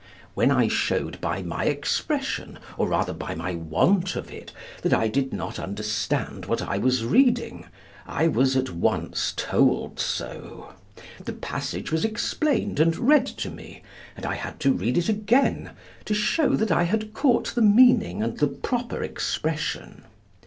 When I showed by my expression, or, rather, by my want of it, that I did not understand what I was reading, I was at once told so, the passage was explained and read to me, and I had to read it again, to show that I had caught the meaning and the proper expression.